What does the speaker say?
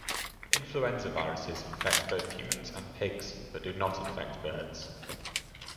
Influenza viruses infect both humans and pigs, but do not infect birds.